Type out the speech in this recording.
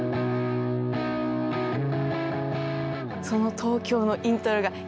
その『東京』のイントロが。